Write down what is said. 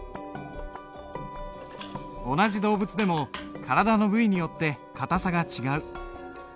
同じ動物でも体の部位によって硬さが違う。